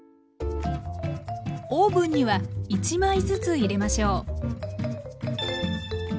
オーブンには１枚ずつ入れましょう。